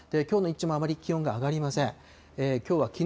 きょうの日中もあまり気温が上がりません。